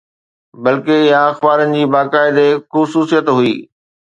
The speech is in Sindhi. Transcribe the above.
بلڪه اها اخبارن جي باقاعدي خصوصيت هئي.